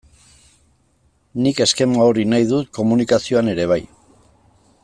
Nik eskema hori nahi dut komunikazioan ere bai.